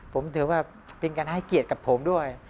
ผมถือว่าเป็นการให้เกียรติกับผมด้วย